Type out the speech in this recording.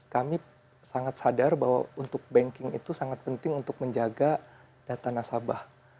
kami sangat sadar bahwa untuk banking itu sangat penting untuk menjaga data nasabah